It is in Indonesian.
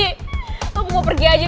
aku mau pergi aja dari rumah sini